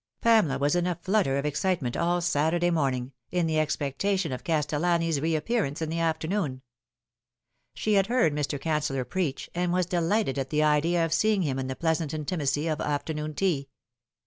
Pamela was in a flutter of excitement all Saturday morning, in the expectation of Castellani's reappearance in the afternoon. She had heard Mr. Canceller preach, and was delighted at the idea of seeing him in the pleasant intimacy of afternoon tea.